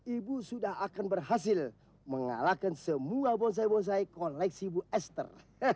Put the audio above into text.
ibu sudah akan berhasil mengalahkan semua bonsai bonsai koleksi bu esther